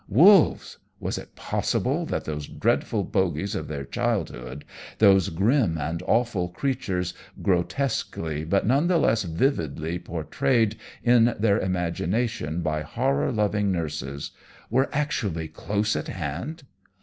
Wolves! was it possible that those dreadful bogies of their childhood those grim and awful creatures, grotesquely but none the less vividly portrayed in their imagination by horror loving nurses were actually close at hand!